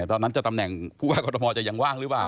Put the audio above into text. แต่ตอนนั้นจะตำแหน่งผู้ว่ากรทมจะยังว่างหรือเปล่า